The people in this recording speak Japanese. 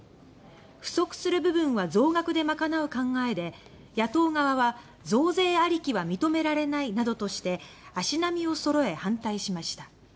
不足する部分は増税で賄う考えで野党側は「増税ありきは認められない」などとして足並みを揃え、反対しました。